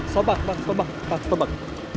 sobak sobak sobak